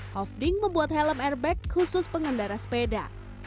hofding membuat helm airbag khusus pengendara sepeda